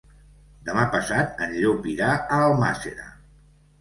Demà passat en Llop irà a Almàssera.